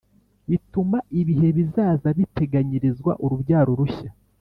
bituma ibihe bizaza biteganyirizwa urubyaro rushya.